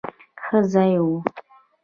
ښه ځای وو.